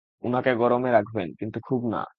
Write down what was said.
উনাকে গরমে রাখবেন, কিন্তু খুব না।